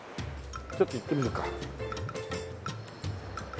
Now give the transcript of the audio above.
ちょっと行ってみるか。